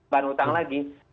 bahan utang lagi